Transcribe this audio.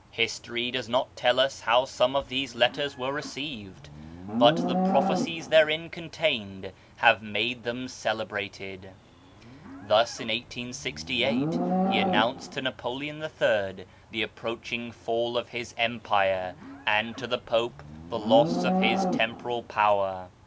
History does not tell us how some of these letters were received, but the prophecies therein contained have made them celebrated. Thus in 1868 he announced to Napoleon III. the ap proaching fall of his empire, and to the Pope the loss of his temporal power.